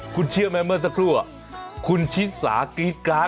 คุณเชี่ยไหมเมื่อสักครู่คุณชิสาฬิกาส